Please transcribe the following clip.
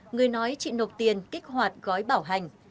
người nói chị nộp tiền kích hoạt gói bảo hành